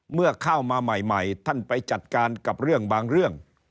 เมื่อเข้ามาใหม่ท่านไปจัดการกับเรื่องบางเรื่อง